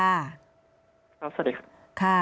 สวัสดีค่ะ